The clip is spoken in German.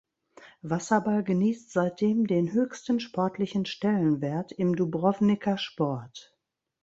Wasserball genießt seitdem den höchsten sportlichen Stellenwert im Dubrovniker Sport.